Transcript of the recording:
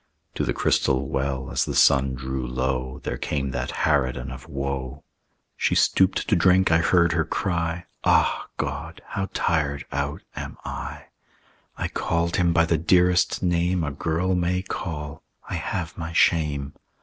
To the crystal well as the sun drew low There came that harridan of woe. She stooped to drink; I heard her cry: "Ah, God, how tired out am I! "I called him by the dearest name A girl may call; I have my shame.